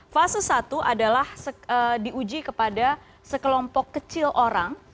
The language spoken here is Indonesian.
fase satu adalah diuji kepada sekelompok kecil orang